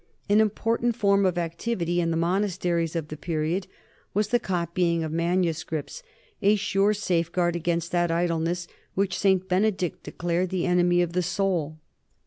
An important form of activity in the monasteries of the period was the copying of manuscripts, a sure safeguard against that idleness which St. Benedict declared the enemy of the soul.